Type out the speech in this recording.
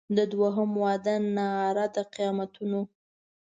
د دوهم واده ناره د قیامتونو